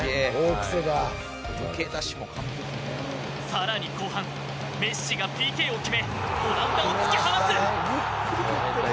更に後半メッシがＰＫを決めオランダを突き放す。